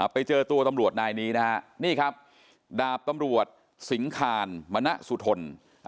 ไปเจอตัวตำรวจนายนี้นะฮะนี่ครับดาบตำรวจสิงคารมณะสุทน